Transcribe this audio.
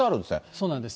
そうなんです。